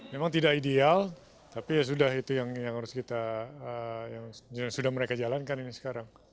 memang tidak ideal tapi ya sudah itu yang harus kita jalankan ini sekarang